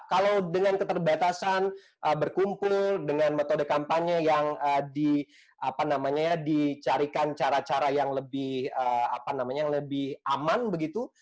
kalau dengan keterbatasan berkumpul dengan metode kampanye yang dicarikan cara cara yang lebih aman begitu